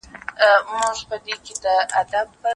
په وطن د هندوستان کي یو پاچا وو